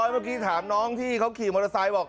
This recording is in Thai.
เมื่อกี้ถามน้องที่เขาขี่มอเตอร์ไซค์บอก